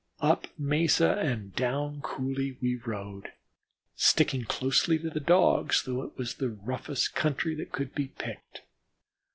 Up mesas and down coulees we rode, sticking closely to the Dogs, though it was the roughest country that could be picked.